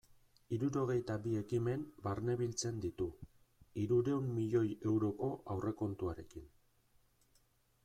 Hirurogeita bi ekimen barnebiltzen ditu, hirurehun milioi euroko aurrekontuarekin.